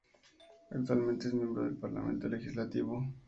Actualmente es miembro del parlamento legislativo.